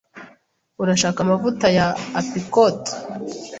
Urashaka amavuta ya apicot?